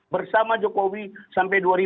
bersama jokowi sampai dua ribu dua puluh empat